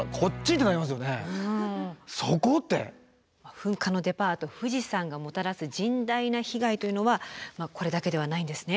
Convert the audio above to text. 噴火のデパート富士山がもたらす甚大な被害というのはこれだけではないんですね。